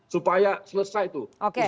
supaya selesai itu